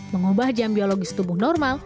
mengubah jam biologis tubuh normal